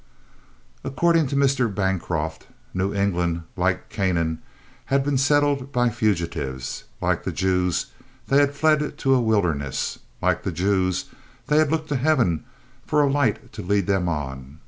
According to Mr. Bancroft, New England, like Canaan, had been settled by fugitives. Like the Jews, they had fled to a wilderness. Like the Jews, they had looked to heaven for a light to lead them on.